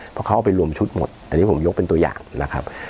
เพราะเขาเอาไปรวมชุดหมดอันนี้ผมยกเป็นตัวอย่างนะครับ